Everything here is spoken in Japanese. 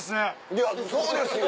いやそうですよ。